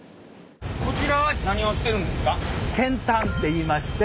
こちらは何をしてるんですか？